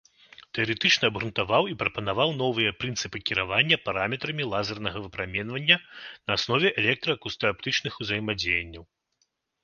Тэарэтычна абгрунтаваў і прапанаваў новыя прынцыпы кіравання параметрамі лазернага выпраменьвання на аснове электра-акустааптычных узаемадзеянняў.